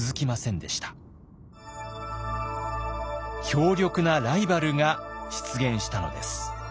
強力なライバルが出現したのです。